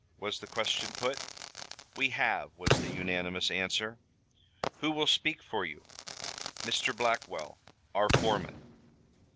was the question put. "We have," was the unanimous answer. "Who will speak for you?" "Mr. Blackwell, our foreman."